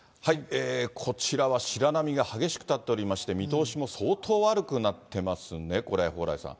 こちらは白波が激しく立っておりまして、見通しも相当悪くなってますね、これ、蓬莱さん。